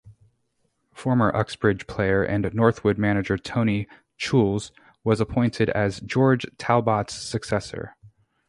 Former Uxbridge player and Northwood manager Tony Choules was appointed as George Talbot's successor.